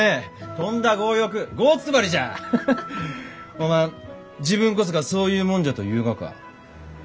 おまん自分こそがそういう者じゃと言うがか？